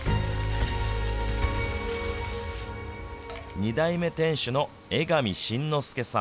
２代目店主の江上新之助さん。